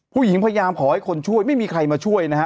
ผู้หญิงพยายามขอให้คนช่วยไม่มีใครมาช่วยนะฮะ